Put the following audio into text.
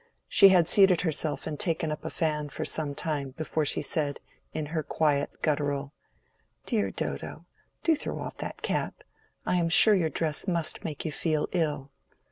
She had seated herself and taken up a fan for some time before she said, in her quiet guttural— "Dear Dodo, do throw off that cap. I am sure your dress must make you feel ill."